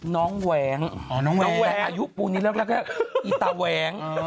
แหวงน้องแหวงอายุปูนี้แล้วก็อีตาแหวง